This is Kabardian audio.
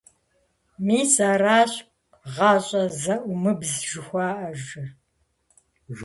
- Мис аращ гъащӀэ зэӀумыбз жыхуаӀэжыр.